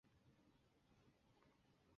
该物种的模式产地在欧洲。